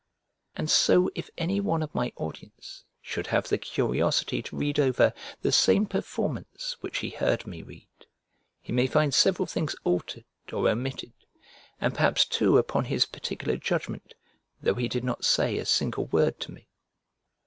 And so if any one of my audience should have the curiosity to read over the same performance which he heard me read, he may find several things altered or omitted, and perhaps too upon his particular judgment, though he did not say a single word to me.